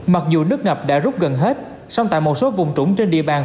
mặc dù nước ngập đã rút gần hết song tại một số vùng trũng trên địa bàn